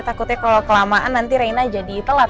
takutnya kalau kelamaan nanti reina jadi telat